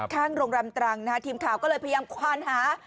ข้างโรงแรมตรังนะฮะทีมข่าวก็เลยพยายามควานหา